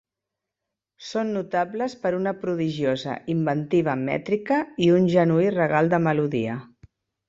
Són notables per una prodigiosa inventiva mètrica i un genuí regal de melodia.